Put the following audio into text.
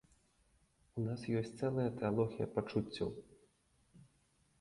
У нас ёсць цэлая тэалогія пачуццяў.